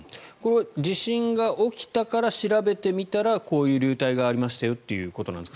地震が起きたから調べてみたらこういう流体がありましたよということですか？